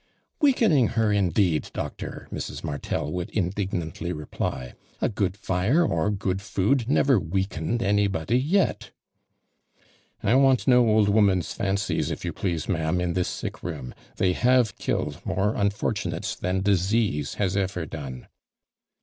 « Weakening her indeed, Doctor!" Mrs. Martel would indignantly reply ; "A good fire, or good footi never weakened anybody yet." ''1 want no old womans fancies, if you jilease, ma" am. in this sick room. 'J'hey have killed more unfortunates than disease has ever done."